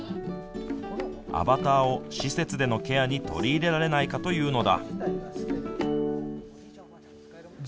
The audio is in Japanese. アバターを施設でのケアに取り入れられないかというのだ。